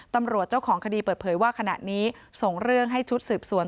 ตำรวจเจ้าของคดีเปิดเผยว่าขณะนี้ส่งเรื่องให้ชุดสืบสวน